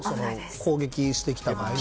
攻撃してきた場合。